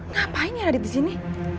ngapain ya radit disini